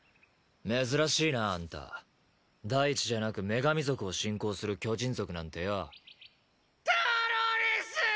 珍しいなあんた大地じゃなく女神族を信仰する巨人族なんてよドロレス！